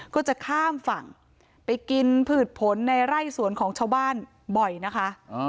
ก็จะข้ามฝั่งไปกินผืดผลในไร่สวนของชาวบ้านบ่อยนะคะ